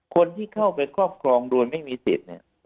คนที่เข้าไปครอบครองร่วมไม่มีสิทธิ์